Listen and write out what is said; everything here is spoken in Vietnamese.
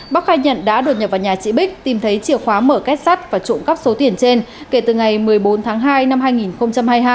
bắc khai nhận đã đột nhập vào nhà chị bích tìm thấy chìa khóa mở kết sắt và trộm cắp số tiền trên kể từ ngày một mươi bốn tháng hai năm hai nghìn hai mươi hai